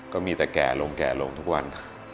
ก็มีแต่แก่ลงแก่ลงทุกวัน